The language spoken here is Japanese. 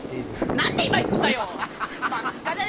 何で今行くんだよ！